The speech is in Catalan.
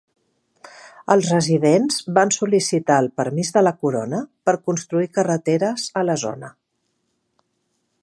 Els residents van sol·licitar el permís de la Corona per construir carreteres a la zona.